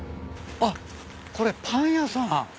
あっこれパン屋さん。